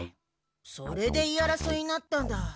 それで言いあらそいになったんだ。